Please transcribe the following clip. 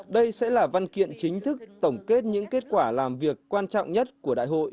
đây sẽ là văn kiện chính thức tổng kết những kết quả làm việc quan trọng nhất của đại hội